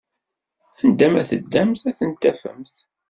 Anda ma teddamt ad tent-tafemt!